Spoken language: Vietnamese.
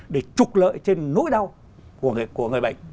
để trục lợi trên nỗi đau của người bệnh